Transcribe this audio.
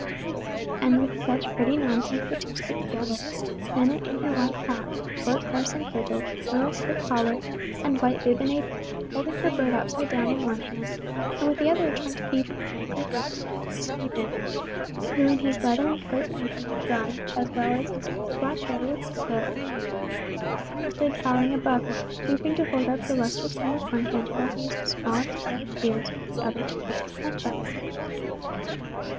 And with such pretty nonsense the two stood together, Dennet in her white cap, short crimson kirtle, little stiff collar, and white bib and apron, holding her bird upside down in one hand, and with the other trying to keep his angry beak from pecking Stephen, who, in his leathern coat and apron, grimed, as well as his crisp black hair, with soot, stood towering above her, stooping to hold out the lustrous wing with one hand while he used his smallest pair of shears with the other to clip the pen feathers.